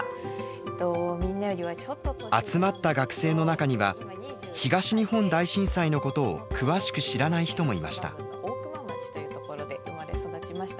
集まった学生の中には東日本大震災のことを詳しく知らない人もいました。